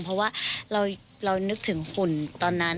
เพราะว่าเรานึกถึงฝุ่นตอนนั้น